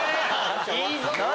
⁉いいぞ！